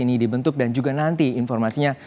ini dibentuk dan juga nanti informasinya